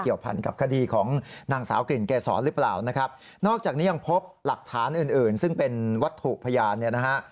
พันกับคดีของนางสาวกลิ่นเกษรหรือเปล่านะครับนอกจากนี้ยังพบหลักฐานอื่นอื่นซึ่งเป็นวัตถุพยานเนี่ยนะฮะ